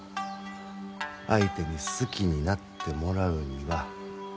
相手に好きになってもらうには。